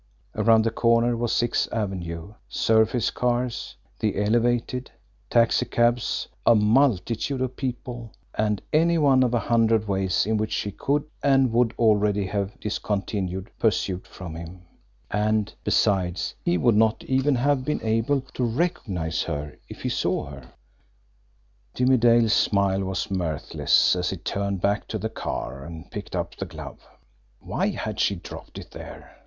Around the corner was Sixth Avenue, surface cars, the elevated, taxicabs, a multitude of people, any one of a hundred ways in which she could, and would, already have discounted pursuit from him and, besides, he would not even have been able to recognise her if he saw her! Jimmie Dale's smile was mirthless as he turned back to the car, and picked up the glove. Why had she dropped it there?